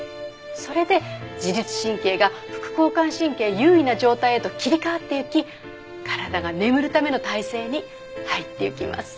それで自律神経が副交感神経優位な状態へと切り替わっていき体が眠るための態勢に入っていきます。